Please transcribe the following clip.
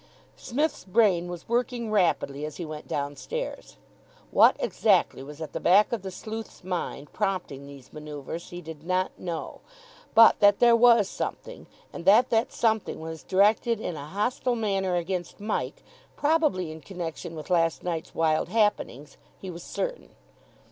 Psmith's brain was working rapidly as he went downstairs. What exactly was at the back of the sleuth's mind, prompting these manoeuvres, he did not know. But that there was something, and that that something was directed in a hostile manner against Mike, probably in connection with last night's wild happenings, he was certain.